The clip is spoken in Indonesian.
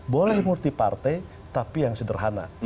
boleh multi partai tapi yang sederhana